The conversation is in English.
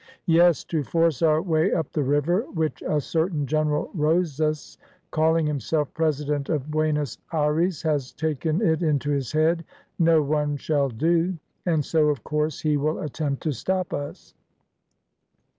"Yes, to force our way up the river, which a certain General Rosas, calling himself President of Buenos Ayres, has taken it into his head no one shall do; and so, of course, he will attempt to stop us."